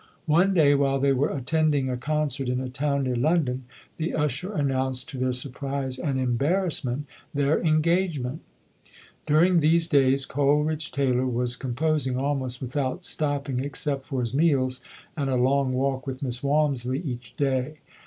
One day while they were attending a con cert in a town near London, the usher announced to their surprise and embarrassment, their en gagement. During these days, Coleridge Taylor was com posing almost without stopping except for his meals and a long walk with Miss Walmisley each day.